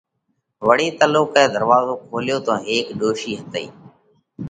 وۯي تلُوڪئہ ڌروازو کوليو تو هيڪ ڏوشِي هتئِي۔